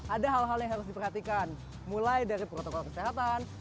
ada hal hal yang harus diperhatikan mulai dari protokol kesehatan